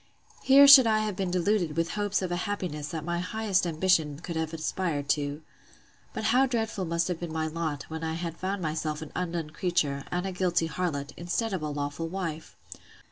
—Here should I have been deluded with the hopes of a happiness that my highest ambition could have had aspired to!—But how dreadful must have been my lot, when I had found myself an undone creature, and a guilty harlot, instead of a lawful wife!